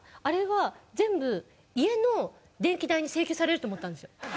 あれは全部家の電気代に請求されると思ってたんですよ。